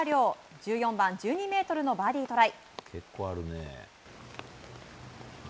１４番１２ｍのバーディートライ。